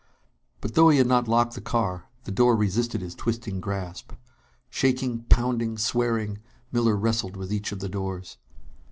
But, though he had not locked the car, the door resisted his twisting grasp. Shaking, pounding, swearing, Miller wrestled with each of the doors.